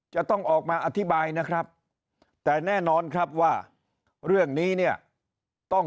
จะต้องออกมาอธิบายนะครับแต่แน่นอนครับว่าเรื่องนี้เนี่ยต้อง